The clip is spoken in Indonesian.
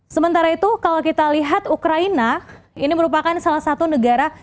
sementara itu kalau kita lihat ukraina ini merupakan salah satu negara